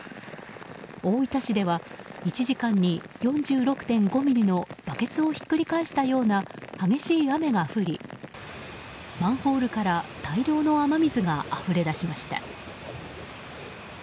大分市では１時間に４６．５ミリのバケツをひっくり返したような激しい雨が降りマンホールから大量の雨水があふれ出しました。